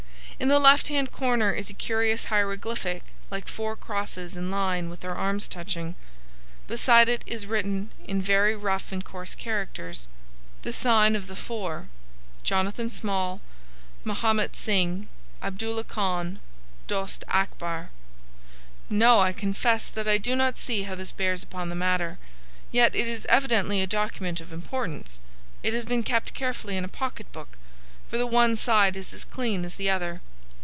In the left hand corner is a curious hieroglyphic like four crosses in a line with their arms touching. Beside it is written, in very rough and coarse characters, 'The sign of the four,—Jonathan Small, Mahomet Singh, Abdullah Khan, Dost Akbar.' No, I confess that I do not see how this bears upon the matter. Yet it is evidently a document of importance. It has been kept carefully in a pocket book; for the one side is as clean as the other."